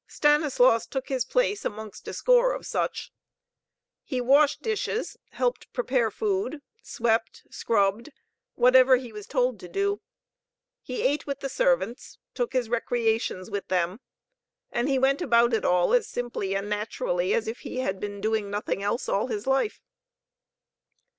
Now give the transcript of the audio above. Stanislaus took his place amongst a score of such. He washed dishes, helped prepare food, swept, scrubbed whatever he was told to do. He ate with the servants, took his recreations with them. And he went about it all as simply and naturally as if he had been doing nothing else all his life.